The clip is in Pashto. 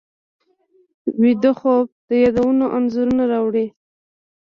ویده خوب د یادونو انځورونه راوړي